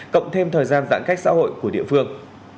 cộng thêm thời gian giãn cách xã hội của địa phương